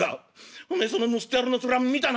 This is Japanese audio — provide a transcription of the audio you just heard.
おめえその盗っ人野郎の面見たな！」。